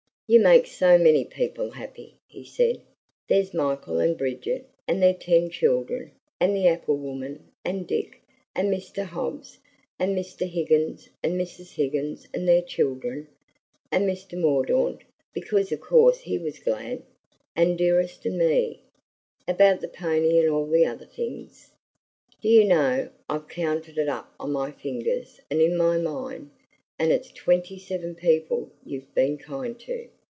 "You make so many people happy," he said. "There's Michael and Bridget and their ten children, and the apple woman, and Dick, and Mr. Hobbs, and Mr. Higgins and Mrs. Higgins and their children, and Mr. Mordaunt, because of course he was glad, and Dearest and me, about the pony and all the other things. Do you know, I've counted it up on my fingers and in my mind, and it's twenty seven people you've been kind to.